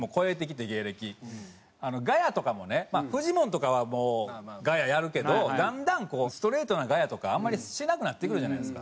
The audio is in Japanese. ガヤとかもねフジモンとかはもうガヤやるけどだんだんこうストレートなガヤとかあんまりしなくなってくるじゃないですか。